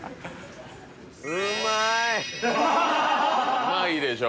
うまいでしょ？